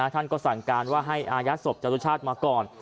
ท่านก็สั่งการว่าให้อายัดศพจรุชาติมาก่อน